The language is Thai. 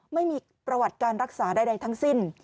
ไม่มีประวัติการรักษาใดทั้งสิ้น